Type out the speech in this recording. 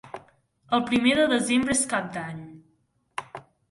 El primer de desembre és Cap d'Any.